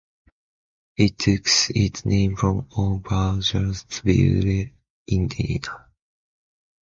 It took its name from Old Bargersville, Indiana.